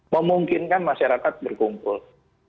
memungkinkan masyarakat berkumpul